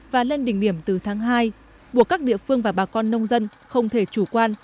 và lên đỉnh điểm từ tháng hai buộc các địa phương và bà con nông dân không thể chủ quan